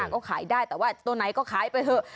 ก็ขายได้แต่ว่าตัวไหนก็ขายไปเถอะ